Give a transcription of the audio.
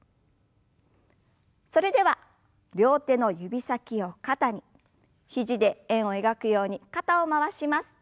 それでは両手の指先を肩に肘で円を描くように肩を回します。